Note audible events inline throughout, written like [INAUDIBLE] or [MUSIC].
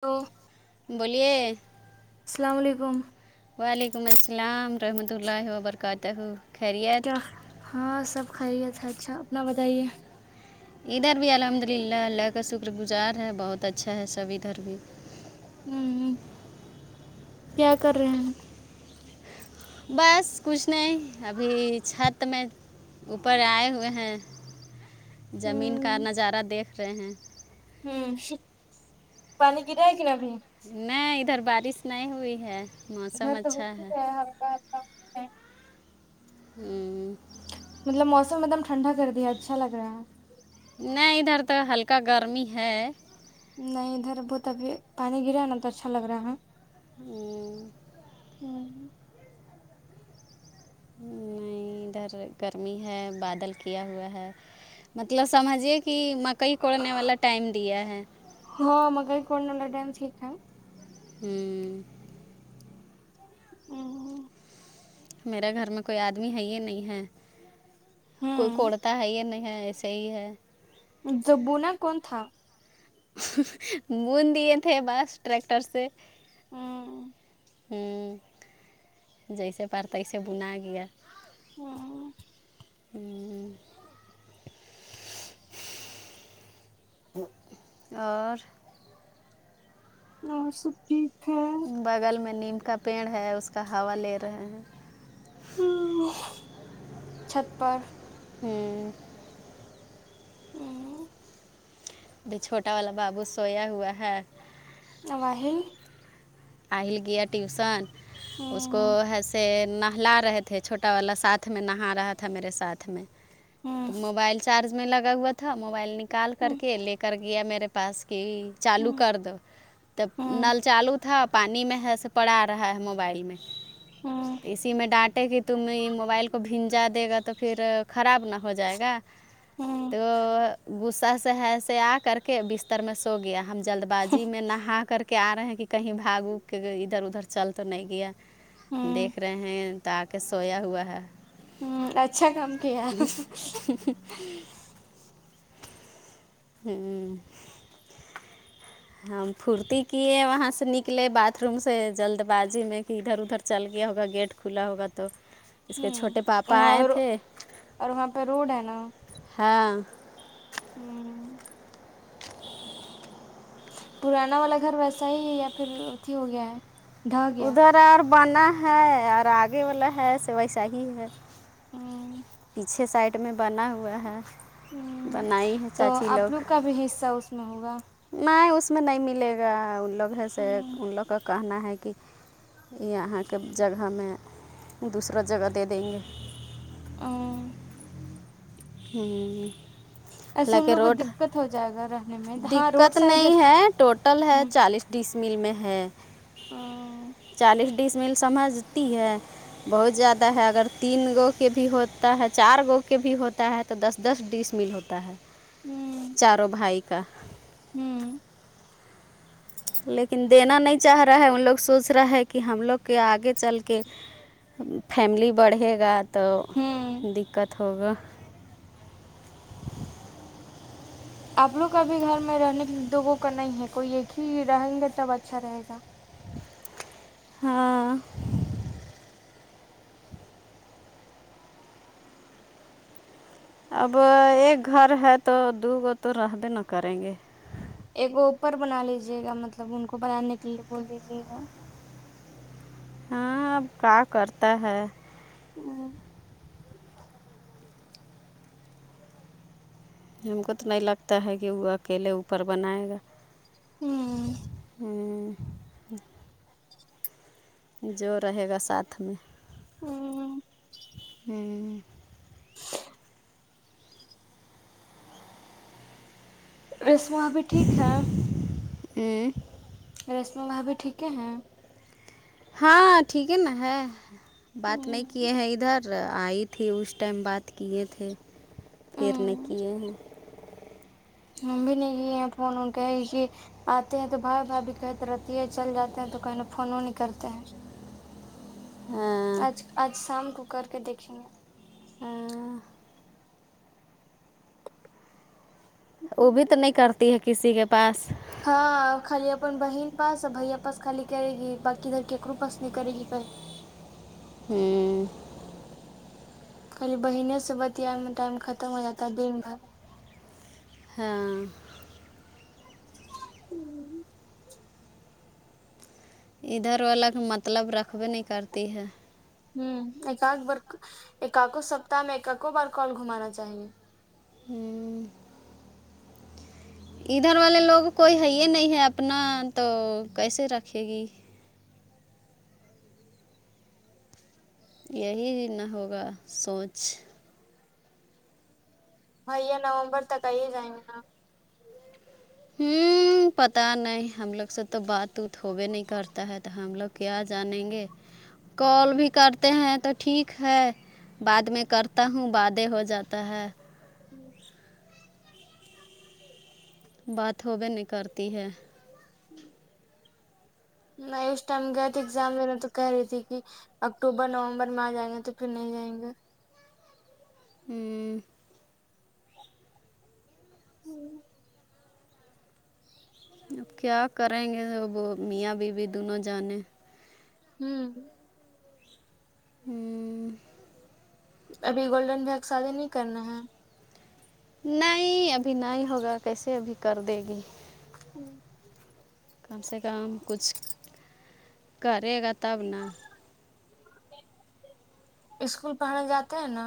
تو بولیے السلام علیکم وعلیکم السلام رحمۃ اللہ وبرکاتہ خیریت کیا ہاں سب خیریت ہے اچھا اپنا بتائیے ادھر بھی الحمد للہ اللہ کا شکر گزار ہے بہت اچھا ہے سب ادھر بھی ہوں کیا کر رہے ہیں بس کچھ نہیں ابھی چھت میں اوپر آئے ہوئے ہیں زمین کا نظارہ دیکھ رہے ہیں ہوں ہ پانی گر رہا ہے کہ نہیں ابھی نہیں ادھر بارش نہیں ہوئی ہے موسم اچھا ہے کا [UNINTELLIGIBLE] ہوں ں مطلب موسم ایک دم ٹھنڈا کر دیا ہے اچھا لگ رہا ہے نہیں ادھر تو ہلکا گرمی ہے نہیں ادھر بہت ابھی پانی گرا نا تو اچھا لگ رہا ہے ہاں ہں ہوں نہیں ادھر گرمی ہے بادل کیا ہوا ہے مطلب سمجھیے کہ مکئی کوڑنے والا ٹائم دیا ہے ہاں مگر کوڑنے کا ٹائم ٹھیک ہے ہوں امم میرے گھر میں کوئی آدمی ہے ہی نہیں ہے کوئی کوڑتا ہے یا نہیں ہے ایسے ہی ہے تو بنا کون تھا بند دیے تھے بس ٹریکٹر سے ہاں ہوں جیسے پار تیسے بنا گیا ہاں ہوں اور اور سب ٹھیک ہے بغل میں نیم کا پیڑ ہے اس کا ہوا لے رہے ہیں چھت پر ہوں ہوں ابھی چھوٹا والا بابو سویا ہوا ہے نواحل اہل گیا ٹیوسن اس کو ہوں ہےسے نہ لا رہے تھے چھوٹا والا ساتھ میں نہا رہا میرے ساتھ میں ہوں چارج میں لگا ہوا تھا موبائل نکال کر ہوں کے لے کر گیا میرے چالو ہوں کر دو تو ہوں نل چالو پانی میں ہے پڑا آ رہا ہے موبائل میں ہوں اسی ی میں ڈانٹے کہ تم یہ موبائل کو بھیھنجا دے گا تو پھر خراب نہ ہو جائے گا ہوں تو غصہ سے ہےس آ کر کےست بستر میں سو گیا ہم جلد بازی میں نہا کر کے آ رہے ہیں کہ کہیں بھاگ اوگ کے ادھر ادھر چل تو نہیں گیا ہوں دیکھ رہے ہیں ت آ کے سویا ہوا ہے ہ اچھا کام کیا ہوں ہم فھرتی کیے وہاں سے نکلے باتھ روم سے جلد بازی میں کہ ادھر ادھر چل گیا ہوگا گیٹ کھلا ہوگا تو اس ہ کے چھوٹے پاپا وہاں آئے تھے اور وہاں پہ روڈ ہے نا ہاں ہوں پرانا والا گھر ویسا ہی یا پھر اتھی ہو گیا ہے ڈھا گیا ادھر اور بنا ہے اور آگے والا ہے س ویسا ہی ہے ہوں پیچھے سائڈ میں بنا ہوا ہے ہ بنائی ہے تو چاچی آپ لوگ کا بھی حصہ اس میں ہوگا نہیں اس میں نہیں ملے گا ان لوگ ہیں سے ہوں ان لوگ کا کہنا ہے کہ یہاں کے جگہ میں دوسرا جگہ دے دیں گے امم ہوں ایسے ان لوگ کو دقت ہو جائے گا را دقت نہیں ہے ٹوٹل ہے ہوں چالیس ڈس مل میں ہے ہوں چالیس ڈس مل سمجھتی ہے بہت زیادہ ہے اگر تین گو کے بھی ہوتا ہے چار گو کے بھی ہوتا ہے تو دس دس ڈیس میل ہوتا ہے ہوں چارو بھائی کا ہوں لیکن دینا نہیں چاہ رہا ہے ان لوگ سوچ رہا ہے کہ ہم لوگ کے آگے چل کے فیملی بڑھے گا تو ہوں دقت ہوگا آپ لوگ ابھی گھر میں رہنے کے دوگوں کا نہیں ہے کوئی ایک ہی رہیں گے تب اچھا رہے گا ہاں اب ایک گھر ہے تو دوگو تو رہ بھی نہ کریں گے ایک اوپر بنا لیجیے گا مطلب ان کو بنانے کے لیے بول دیجیے گا ہاں اب کا کرتا ہے ہ ہم کو تو نہیں لگتا ہے کہ وہ اکیلے اوپر بنائے گا ہں ہں جو رہے گا ساتھ میں [UNINTELLIGIBLE] ہں رسماں بھی ٹھیک ہے ہو ں ریشمی بھا بھی ٹھیک ہے ہیں ہاں ٹھیک ہے نا ہے بات نہیں ہ کیے ہیں ادھر آئی تھی اس ٹائم بات کیے تھے پھر نے کیے ہیں ہم بھی نہیں فون اون کے کہ آتے ہیں تو بھائی بھائی بھی کہتے رہتی ہے چل جاتے ہیں تو کہنے فون نہیں کرتے ہیں ہاں آج آج شام کو کر کے دیکھیں گے ہ وہ بھی تو نہیں کرتی ہے کسی کے پاس ہاں خالی اپن بہن پاس بھیا پاس خالی کرے گی بقی ادھر کیکرو پس نہیں کرے گی ک ہوں خالی بہنے سے بتیا ٹائم ختم ہو جاتا ہے دن بھر ہاں ہوں ادھر وال الگ مطلب رکھبے نہیں کرتی ہے ہوں ایک بار ایک کوو سپتح میں ایک کو بار کال گھمانا چاہیے ہوں ادھر والے لوگ کوئی ہے یہ نہیں ہے اپنا تو کیسے رکھے گی یہی نہ ہوگا سوچ بھیا نومبر تک آئیے جائیں گے نا ہوں پتا نہیں ہم لوگ سے تو بات وت ہوبے نہیں کرتا ہے تو ہم لوگ کیا جانیں گے کال بھی کرتے ہیں تو ٹھیک ہے بعد میں کرتا ہوں بادیں ہو جاتا ہے بات ہو بھی نہیں کرتی ہے نہیںس ٹائم گ تھ ایکگزام بھیا تو کر رہی تھی کہ اکتوبر نومبر میں آ جائیں گے تو پھر نہیں جائیں گے ہوں ہوں اب کیا کریں گے ج وہ میاں بیوی دونوں جانیں ہوں ہوں ابھی گولڈن بگ شادی نہیں کرنا ہے نہیں ابھی نہیں ہوگا کیسے ابھی کر دے گی کم سے کم کچھ کرے گا تب نا اسکول پڑھنے جاتے ہیں نا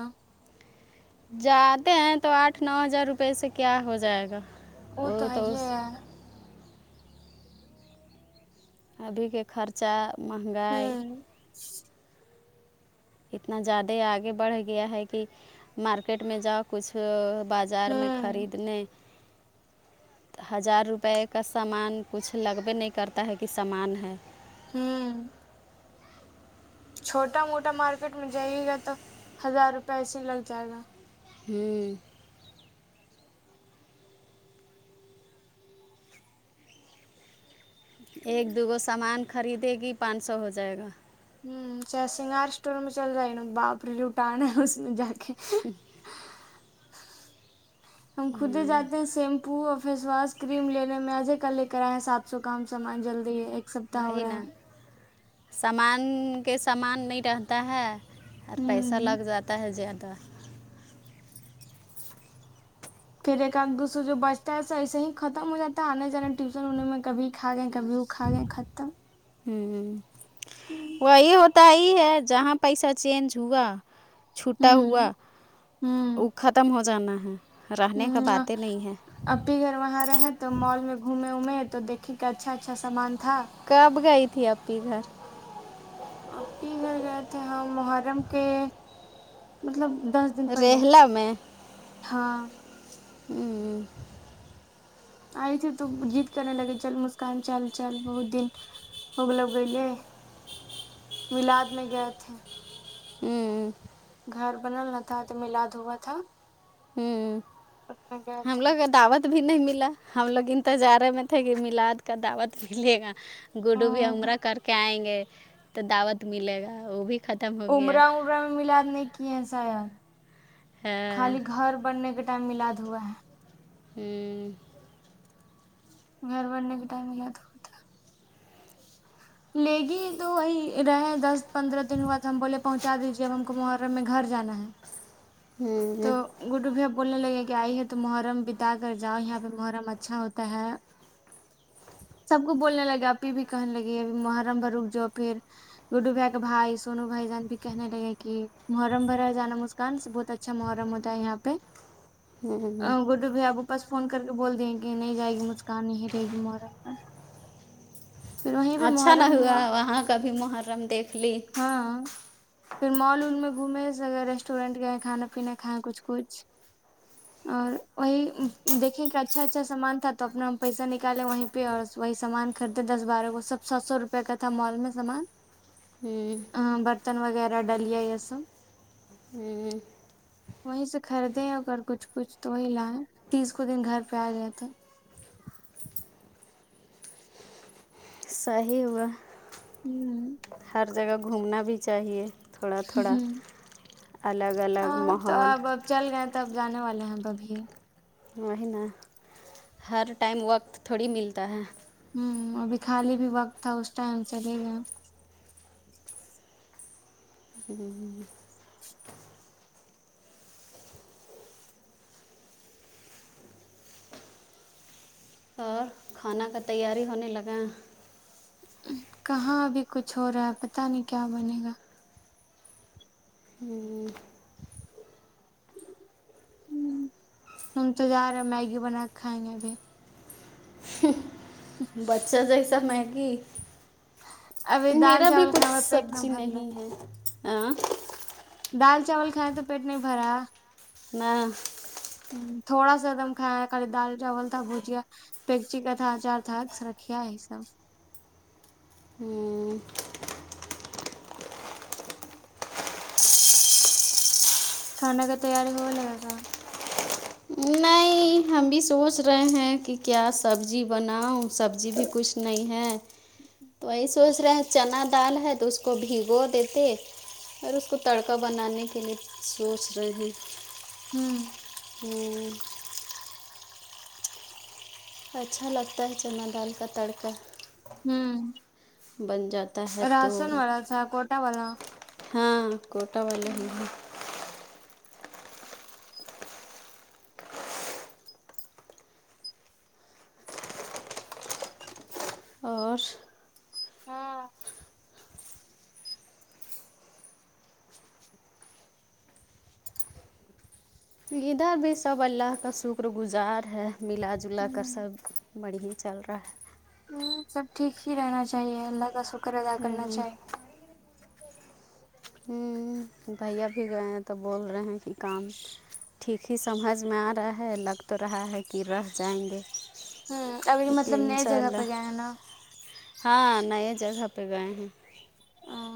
جاتے ہیں تو آٹھ نو ہزار روپئے سے کیا ہو جائے گا وہ تو ہے ہی ہے ابھی کے خرچہ مہنگائی ہوں [INAUDIBLE] اتنا زیادہ آگے بڑھ گیا ہے کہ مارکیٹ میں جاؤ کچھ بازار میں ہوں خریدنے ہزار روپئے کا سامان کچھ لگبے نہیں کرتا ہے کہ سامان ہے حمم چھوٹا موٹا مارکیٹ میں جائیے گا تو ہزار روپے ایسے ہی لگ جائے گا ہمم ایک ہوں دوگو سامان خریدے گی پانچ سو ہو جائے گا [UNINTELLIGIBLE] باپرے لوٹنا اس جا کے ہم خودے جاتے ہیں سیم پوو فیس واس کریم لینے میں آجے کل لے کر آئیں سات سو کام سامان جلدی ہے ایک سپتاہ ہو ہے رہا نا سامان کے سامان نہیں رہتا ہے اور پیسہ ہوں لگ جاتا ہے زیادہ پھر ایک آد دوسرے جو بچتا ہے اسے ایسے ہی ختم ہو جاتا ہے آنے جانا ٹیوشن ان میں کبھی کھ گئے کبھی کھا گائیں ختم ہمم ہوں وہی ہوتا ہی ہے جہاں پیسہ چینج ہوا چھٹا ہوا ہوں وہ ختم ہو جانا ہے رہنے کا ہمم باتیں نہیں ہے آپی گھر وہاں رہے تو مال میں گھومے ومیں تو دیکھے کہ اچھا اچھا سامان تھا کب گئی تھی اپپی گھر اپپی گھر گئے تھے ہم محرم کے مطلب دس دن پہلے ریہلا ہاں ہمم آئے تھے تو ذد کرنے لگے چل مسکان چل چل بہت دن [UNINTELLIGIBLE] میلاد میں گئے تھے ہمم گھر بنانا تھا تھا تو ملاد ہوا تھا ہمم اس میں گئے ہم تھے لوگ دعوت بھی نہیں ملا ہم لوگ انتظار میں تھے کہ میلاد کا دعوت ملے گا گوڈو بھیا عمرہ کر کے آئیں گے تو دعوت ملے گا وہ بھی ختم ہو گیا عمرہ امرا میں ملاد نہیں کی ہیں شاید ہاں خالی گھر بننے کے میلاد ہوا ہے ہمم گھر بننے کے ٹائم میلاد ہو تھا لے گی تو وہی رہے دس پندرہ دن ہوا تو ہم بولے پہنچا دیجیے اب ہمکو محرم میں گھر جانا ہے تو ہمم گڈو بھیا بولنے لگے کہ آئی ہے تو محرم بتا کر جاؤ یہاں پہ محرم اچھا ہوتا ہے سب کو بولنے لگے آپپی بھی کہنے لگی محرم بھر روک جؤ پھر گڈو بھیا کا بھائی سوونو بھائی جان بھی کہنے لگے کہ محرم بھرا جانا مجھ کان بہت اچھا محرم ہوتا ہے یہاں پہ ہوں گوٹو بھیا بس فون کر کے بول دیں کہ نہیں جائے گی مسکان یہیں رہےگی محرم پر پھر وہیں پہ اچھا نہ محرم ہوا وہاں کبھی محرم دیکھ لئے ہاں پھر مال ول میں گھومیں ریسٹورینٹ گئے کھانا پینا کھائیں کچھ کچھ اور وہی دیکھیں کہ اچھا اچھا سامان تھا تو اپنا ہم پیسہ نکالیں وہی پے اور وہی سامان خرید دس بارہ کو سب سھ سو روپے کا تھا مال میں سامان ہم برتن وغیرہ ڈلیا یے سب آمم وہی سے خریدیں اگر کچھ کچھ تو وہیں لایں تیس کو دن گر پے آ جاتے صحی ہوا آمم ہر جگہ گھومنا بھی چاہیے تھوڑا تھوڑا الگ الگ ہاں تو ماحول اب اب چل گئے تب جانے والے ہیں تب بھی وہ نا ہر ٹائم وقت تھوڑی ملتا ہے ہمم ابھی خالی بھی وقت تھا اس ٹائم چلے گیا جی اور کھانا کا تیاری ہونے لگا کہاں ابھی کچھ ہو رہا ہے پتا نہیں کیا بنے گا ہمم آمم ہم تو جارے میگی بناک کھائیں گےابھی بچہ جیسا میگی ابھی دال میرا بھی چاول کچھ کھائیں اور پیٹ نہ سبزی بھر لے نہیں ہے آ دال چاول کھاکے پیٹ نہیں بھرا نا م تھوڑا سا ایک دم کھایا کر دال چاول تھا بھجیا پیکچی کا تھا اچار تھا رکھیا یے سب ہمم کھانا کا تیاری ہو لے لگا نہیں ہم بھی سوچ رہے ہیں کی کیا سبجی بناؤ سبجی بھی کچھ نہیں ہے تو وہی سوچ رہے چنا دال ہے تو اس کو بھگو دیتے اور اس کو تڑکا بنانے کے لیے سوچ رہے ہیں ہمم ہم اچھا لگتا ہے چنا دال کا تڑکا ہمم بن جاتا ہے تو راشن والا تھا کوٹا والا ہاں کوٹا والے ہی اور ہاں ادھر بھی سب اللہ کا سکر گزار ہے ملا جلا کر سب بڑی ہی چل رہا ہے سب ٹھیک ہی رہنا چاہیے اللہ کا سکر ادا کرنا ہے چاہیے امم بھیا بھی گئے ہیں تو بول رہے ہیں کی کام ٹھیک ہی سمجھ میں آ رہا ہے لگ تو رہا ہے کی رہ جائیں گے ہا ابھی لیکن مطلب ان نئے شاء جگہ پے اللہ گئے نا ہاں نئے جگہ پے گئے ہیں ہا